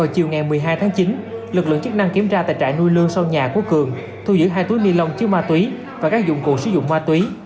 chiều ngày một mươi hai tháng chín lực lượng chức năng kiểm tra tại trại nuôi lương sau nhà của cường thu giữ hai túi ni lông chứa ma túy và các dụng cụ sử dụng ma túy